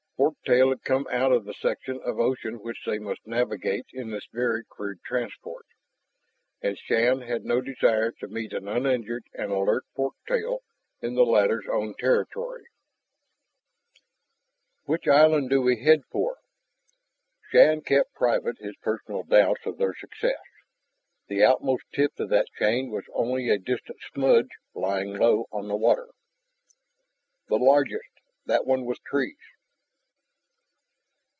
Fork tail had come out of the section of ocean which they must navigate in this very crude transport. And Shann had no desire to meet an uninjured and alert fork tail in the latter's own territory. "Which island do we head for?" Shann kept private his personal doubts of their success. The outmost tip of that chain was only a distant smudge lying low on the water. "The largest ... that one with trees."